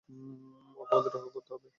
ওকে আমাদের রক্ষা করতে হবে।